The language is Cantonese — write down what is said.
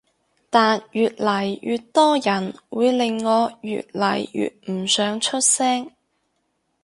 但越嚟越多人會令我越嚟越唔想出聲